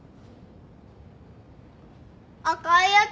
赤いやつ。